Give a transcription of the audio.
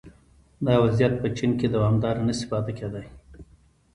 دا وضعیت په چین کې دوامداره نه شي پاتې کېدای